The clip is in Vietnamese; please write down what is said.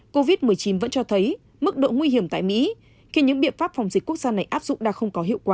covid một mươi chín vẫn cho thấy mức độ nguy hiểm tại mỹ khi những biện pháp phòng dịch quốc gia này áp dụng đã không có hiệu quả